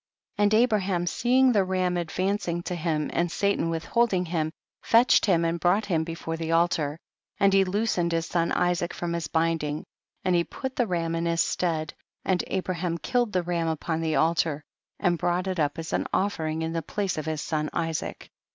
73. And Abraham, seeing the ram advancmgto him and Satan withhold ing him, fetched him and brought him before the altar, and he loosened his son Isaac from his binding, and he put the ram in his stead, and Abraham killed the ram upon the altar, and brought it up as an offering in the place of his son Isaac.